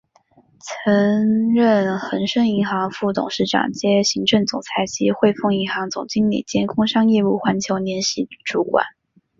曾任恒生银行副董事长兼行政总裁及汇丰银行总经理兼工商业务环球联席主管。